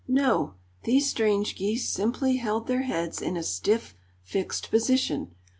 No, these strange geese simply held their heads in a stiff, fixed position.